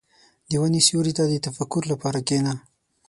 • د ونې سیوري ته د تفکر لپاره کښېنه.